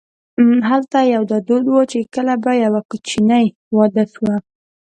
هلته یو دا دود و چې کله به یوه جنۍ واده شوه.